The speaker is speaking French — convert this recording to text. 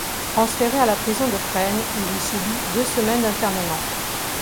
Transféré à la prison de Fresnes, il y subit deux semaines d'internement.